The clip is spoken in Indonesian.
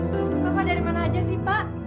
bapak dari mana aja sih pak